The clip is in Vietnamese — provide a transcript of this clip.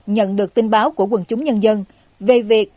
nhận được tin báo của quần chúng nhân dân về việc